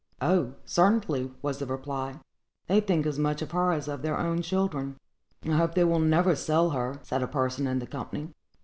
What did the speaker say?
"O, certainly," was the reply; "they think as much of her as of their own children." "I hope they will never sell her," said a person in the company.